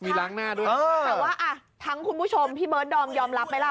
มีล้างหน้าด้วยเออแต่ว่าอ่ะทั้งคุณผู้ชมพี่เบิร์ดดอมยอมรับไหมล่ะ